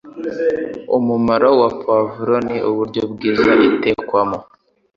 Umumaro wa poivron n'uburyo bwiza itekwamo